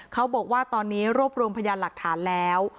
เขาบอกว่าตอนนี้รวบรวมพยานหลักฐานแล้ว